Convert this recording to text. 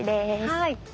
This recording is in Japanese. はい。